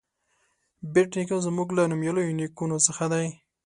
بېټ نیکه زموږ له نومیالیو نیکونو څخه دی.